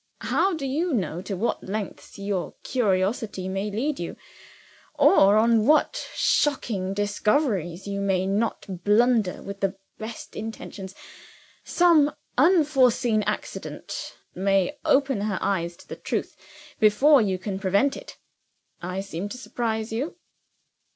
How do you know to what lengths your curiosity may lead you? Or on what shocking discoveries you may not blunder with the best intentions? Some unforeseen accident may open her eyes to the truth, before you can prevent it. I seem to surprise you?"